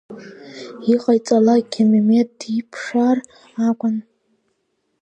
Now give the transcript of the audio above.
Иҟаиҵалакгьы Мемед диԥшаар акәын.